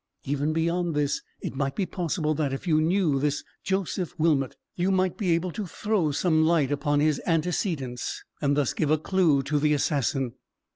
Even beyond this, it might be possible that, if you knew this Joseph Wilmot, you might be able to throw some light upon his antecedents, and thus give a clue to the assassin.